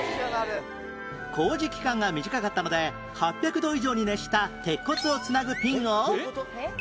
工事期間が短かったので８００度以上に熱した鉄骨を繋ぐピンを